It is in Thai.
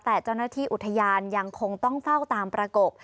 แต่เจ้าหน้าที่อุทยานยังคงต้องเฝ้าตามประกบ